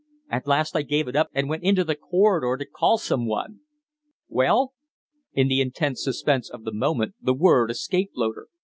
At last I gave it up and went into the corridor to call some one." "Well?" In the intense suspense of the moment the word escaped Loder.